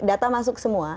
data masuk semua